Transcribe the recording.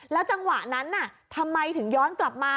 จังหวะนั้นทำไมถึงย้อนกลับมา